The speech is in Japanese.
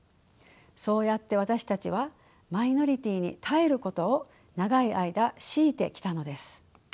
そうやって私たちはマイノリティーに耐えることを長い間強いてきたのです。